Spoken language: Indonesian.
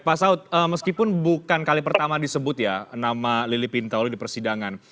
pak saud meskipun bukan kali pertama disebut ya nama lili pintauli di persidangan